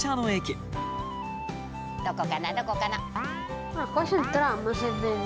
どこかなどこかな？